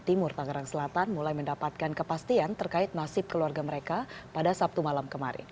timur tangerang selatan mulai mendapatkan kepastian terkait nasib keluarga mereka pada sabtu malam kemarin